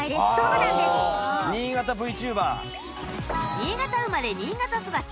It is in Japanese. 新潟生まれ新潟育ち